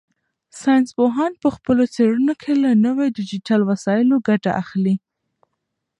ساینس پوهان په خپلو څېړنو کې له نویو ډیجیټل وسایلو ګټه اخلي.